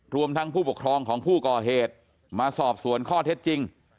รวมทั้งผู้ปกครองของผู้ก่อเหตุมาสอบสวนข้อเท็จจริง